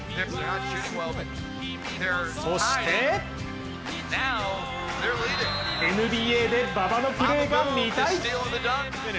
そしてＮＢＡで馬場のプレーが見たい。